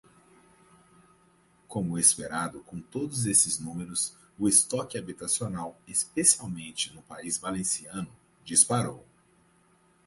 Como esperado, com todos esses números, o estoque habitacional, especialmente no país valenciano, disparou.